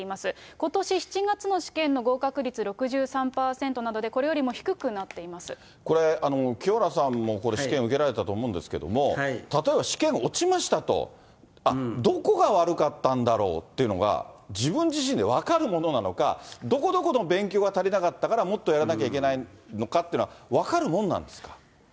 ことし７月の試験の合格率６３％なので、これよりも低くなっていこれ、清原さんも試験受けられたと思うんですけど、例えば試験落ちましたと、どこが悪かったんだろうっていうのが、自分自身で分かるものなのか、どこどこの勉強が足りなかったから、もっとやらなきゃいけないのかっていうのは、分かるもんなんですか？